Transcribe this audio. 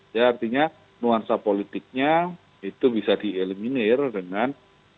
jadi artinya nuansa politiknya itu bisa dieliminir dengan